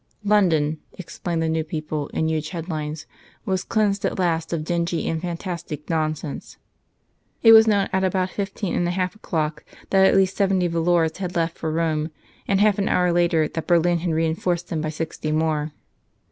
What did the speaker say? "London," explained the New People, in huge headlines, "was cleansed at last of dingy and fantastic nonsense." It was known at about fifteen and a half o'clock that at least seventy volors had left for Rome, and half an hour later that Berlin had reinforced them by sixty more.